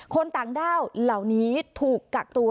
คนต่างด้าวเหล่านี้ถูกกักตัว